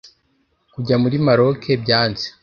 Kujya muri Maroc byanze